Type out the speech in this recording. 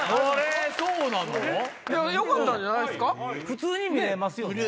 普通に見れますよね。